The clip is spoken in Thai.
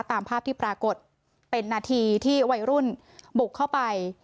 ตามภาพที่ปรากฏเป็นนาทีที่วัยรุ่นบุกเข้าไป